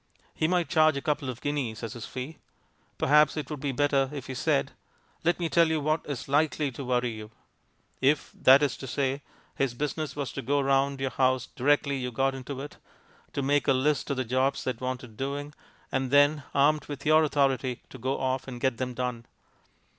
He might charge a couple of guineas as his fee. Perhaps it would be better if he said, "Let me tell you what is likely to worry you" if, that is to say, his business was to go round your house directly you got into it, to make a list of the jobs that wanted doing, and then, armed with your authority, to go off and get them done.